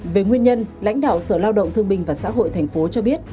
về nguyên nhân lãnh đạo sở lao động thương binh và xã hội thành phố cho biết